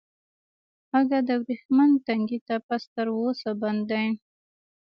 اگه د ورېښمين تنګي نه پس تر اوسه بند دی.